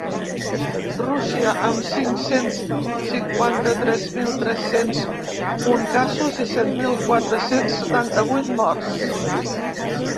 Rússia, amb cinc-cents cinquanta-tres mil tres-cents un casos i set mil quatre-cents setanta-vuit morts.